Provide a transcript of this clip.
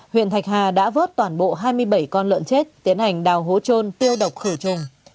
huyện thạch hà đã vớt toàn bộ hai mươi bảy con lợn chết tiến hành đào hố trôn tiêu độc khử trùng